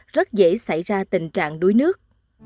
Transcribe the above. rất dễ xảy ra tình trạng đuối nước